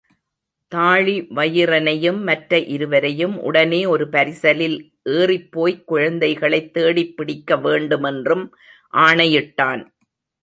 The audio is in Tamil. தாழிவயிறனையும் மற்ற இருவரையும் உடனே ஒரு பரிசலில் ஏறிப்போய்க் குழந்தைகளைத் தேடிப் பிடிக்க வேண்டுமென்றும் ஆணையிட்டான்.